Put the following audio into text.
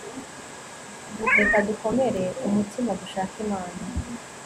reka dukomere umutima, dushake imana